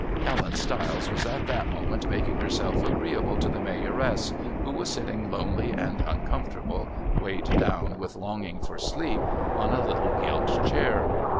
Ellen Stiles was at that moment making herself agreeable to the Mayoress, who was sitting lonely and uncomfortable (weighed down with longing for sleep) on a little gilt chair.